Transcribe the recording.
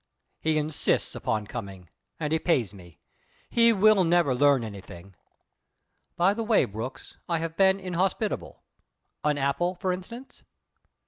"He insists upon coming; and he pays me. He will never learn anything. By the way, Brooks, I have been inhospitable. An apple, for instance?"